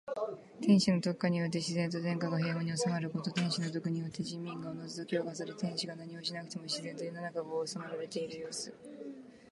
天子の徳化によって自然と天下が平穏に収まること。天子の徳によって人民がおのずと教化されて、天子が何をしなくても自然と世の中が治められているようす。